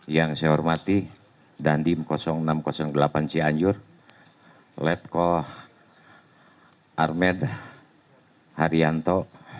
yang saya hormati dandim enam ratus delapan cianjur letko armed haryanto